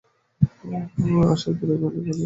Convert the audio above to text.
আশার গুঁড়ে বালি।